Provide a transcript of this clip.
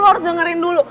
lo harus dengerin dulu